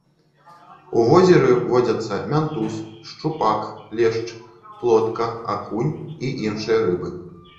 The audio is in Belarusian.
У возеры водзяцца мянтуз, шчупак, лешч, плотка, акунь і іншыя рыбы.